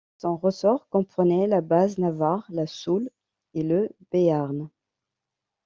Son ressort comprenait la Basse-Navarre, la Soule et le Béarn.